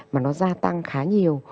mà nó gia tăng khá nhiều